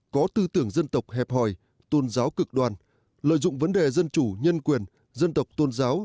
có tư tưởng dân tộc hẹp hòi tôn giáo cực đoan lợi dụng vấn đề dân chủ nhân quyền dân tộc tôn giáo